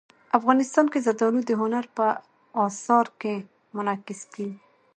افغانستان کې زردالو د هنر په اثار کې منعکس کېږي.